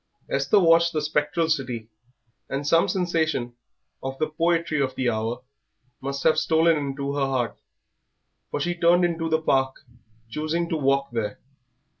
Esther watched the spectral city, and some sensation of the poetry of the hour must have stolen into her heart, for she turned into the Park, choosing to walk there.